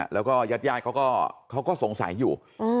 แล้วก็ญาติเขาก็สงสัยอยู่